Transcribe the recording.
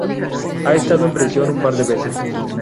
Ha estado en prisión un par de veces.